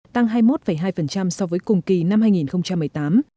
tăng hai mươi một hai so với cùng kỳ năm hai nghìn một mươi tám